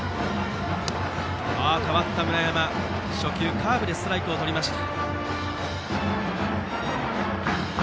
代わった村山、初球カーブでストライクをとりました。